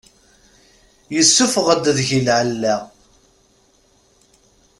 Yessuffeɣ-d deg-i lɛella.